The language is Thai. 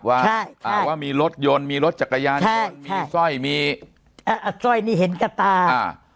ว่าใช่อ่าว่ามีรถยนต์มีรถจักรยานยนต์มีสร้อยมีอ่าสร้อยนี่เห็นกับตาอ่า